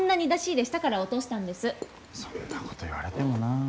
そんなこと言われてもなあ。